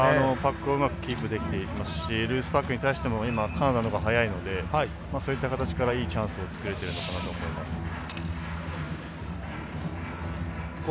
パックをうまくキープできていますしルーズパックに対してもカナダのほうが早いのでそういった形からいいチャンスを作れているのかなと思います。